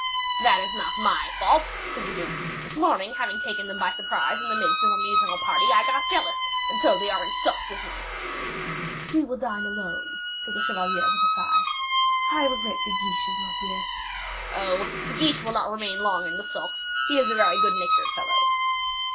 "That is not my fault," said the duke. "This morning, having taken them by surprise in the midst of a musical party, I got jealous; and so they are in the sulks with me." "We will dine alone," said the chevalier, with a sigh; "I regret De Guiche is not here." "Oh! De Guiche will not remain long in the sulks; he is a very good natured fellow."